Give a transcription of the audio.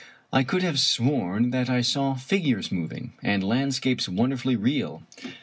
I could have sworn that I saw figures moving, and landscapes wonderfully real.